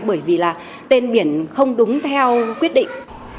bởi vì là tên biển không đúng theo quyết định